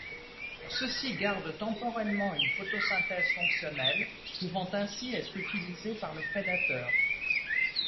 Ceux-ci gardent temporellement une photosynthèse fonctionnelle, pouvant ainsi être utilisée par le prédateur.